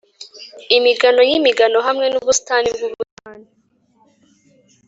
imigano yimigano hamwe nubusitani bwubusitani, ,